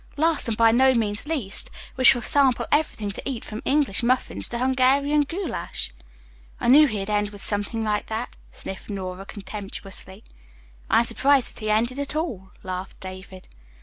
"Last, and by no means least, we shall sample everything to eat from English muffins to Hungarian goulash." "I knew he'd end with something like that," sniffed Nora contemptuously. "I am surprised that he ended at all," laughed David.